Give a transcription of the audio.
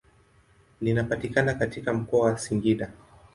Linapatikana katika mkoa wa Singida.